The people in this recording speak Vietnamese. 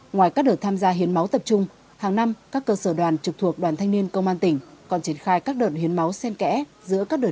ngoài các đợt tham gia hiến máu tập trung hàng năm các cơ sở đoàn trực thuộc đoàn thanh niên công an tỉnh còn triển khai các đợt hiến máu xem kẽ giữa các đợt hiến máu tình nguyện